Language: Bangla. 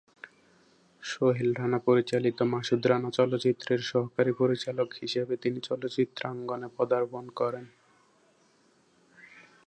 সোহেল রানা পরিচালিত মাসুদ রানা চলচ্চিত্রের সহকারী পরিচালক হিসেবে তিনি চলচ্চিত্রাঙ্গনে পদার্পণ করেন।